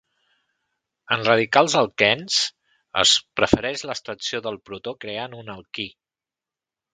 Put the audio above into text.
En radicals alquens, es prefereix l'abstracció del protó creant un alquí.